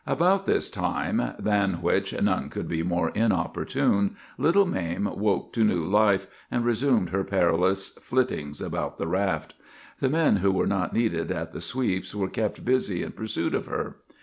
About this time, than which none could be more inopportune, little Mame woke to new life, and resumed her perilous flittings about the raft. The men who were not needed at the sweeps were kept busy in pursuit of her.